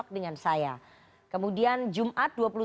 dengan saya kemudian jumat